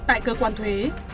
tại cơ quan thuế